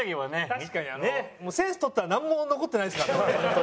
確かにあのもうセンス取ったらなんも残ってないですからね。